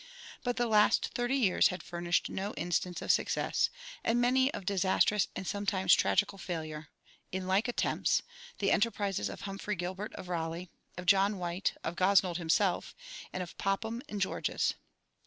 But the last thirty years had furnished no instance of success, and many of disastrous and sometimes tragical failure, in like attempts the enterprises of Humphrey Gilbert, of Raleigh, of John White, of Gosnold himself, and of Popham and Gorges.